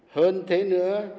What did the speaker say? hơn thế nữa